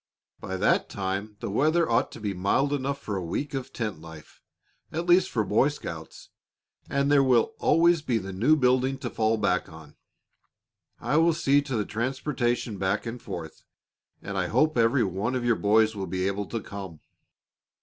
By that time the weather ought to be mild enough for a week of tent life at least for Boy Scouts; and there will always be the new building to fall back on. I will see to the transportation back and forth, and I hope every one of your boys will be able to come.